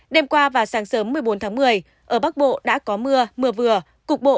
đêm qua và sáng sớm một mươi bốn tháng một mươi ở bắc bộ đã có mưa mưa vừa cục bộ